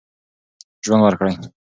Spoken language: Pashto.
ژوند ورکړئ.